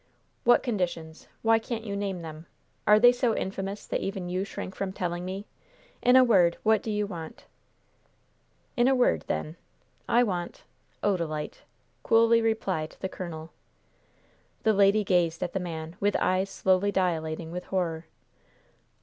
"What conditions? Why can't you name them? Are they so infamous that even you shrink from telling me? In a word, what do you want?" "'In a word,' then: I want Odalite," coolly replied the colonel. The lady gazed at the man with eyes slowly dilating with horror.